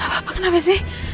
gapapa kenapa sih